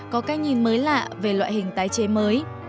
có cách nhìn mới lạ về loại hình tái chế mới